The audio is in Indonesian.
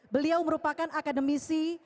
beliau merupakan akademisnya